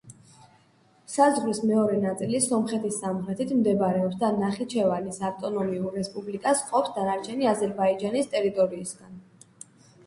საზღვრის მეორე ნაწილი სომხეთის სამხრეთით მდებარეობს და ნახიჩევანის ავტონომიურ რესპუბლიკას ყოფს დანარჩენი აზერბაიჯანის ტერიტორიისგან.